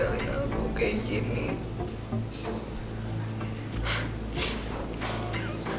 aku gak akan balik lagi